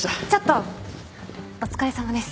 ちょっとま。